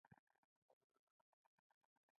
چارمغز د عصبي سیستم لپاره ګټور دی.